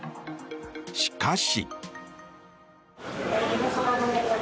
しかし。